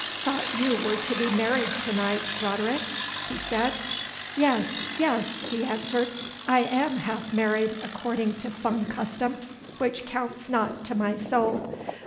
"Thought you were to be married to night, Roderick?" he said. "Yes, yes," he answered, "I am half married according to Fung custom, which counts not to my soul.